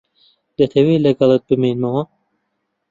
دەتەوێت لەگەڵت بمێنمەوە؟